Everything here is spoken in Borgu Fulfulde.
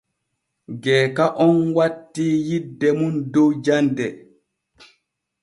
Geeka on wattii yidde mum dow jande.